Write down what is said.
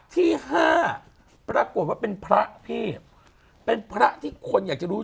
ที่ห้าปรากฏว่าเป็นพระพี่เป็นพระที่คนอยากจะรู้